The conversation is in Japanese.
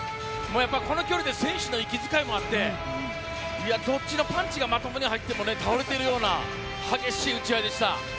この距離で選手の息遣いもあってどっちのパンチがまともに入っても倒れているような激しい打ち合いでした。